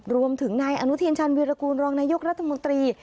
รวมถึงนายอนุทินชันวิรากูลรองนายกรัฐมนตรี